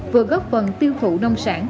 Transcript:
vừa góp phần tiêu thụ nông sản